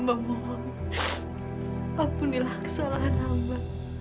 ampunilah kesalahan hamba